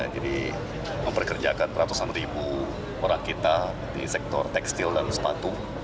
jadi memperkerjakan ratusan ribu orang kita di sektor tekstil dan sepatu